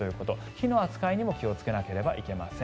火の扱いにも気をつけなければいけません。